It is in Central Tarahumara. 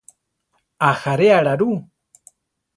¿Ajaréala rú?